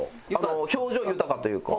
表情豊かというか。